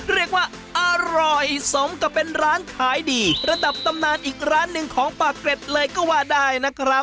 เรียกว่าอร่อยสมกับเป็นร้านขายดีระดับตำนานอีกร้านหนึ่งของปากเกร็ดเลยก็ว่าได้นะครับ